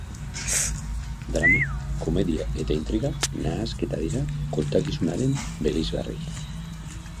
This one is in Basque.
Drama, komedia eta intriga nahasketa dira kontakizunaren bereizgarri.